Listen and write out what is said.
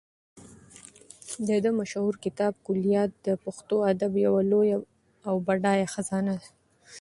د ده مشهور کتاب کلیات د پښتو ادب یوه لویه او بډایه خزانه ده.